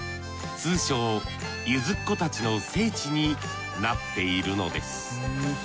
通称ゆずっ子たちの聖地になっているのです